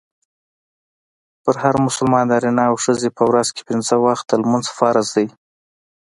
پر هر مسلمان نارينه او ښځي په ورځ کي پنځه وخته لمونځ فرض دئ.